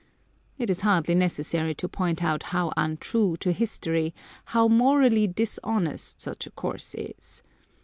It is hardly necessary to point out how untrue to history, how morally dishonest, such a course is.